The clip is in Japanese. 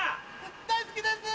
大好きです！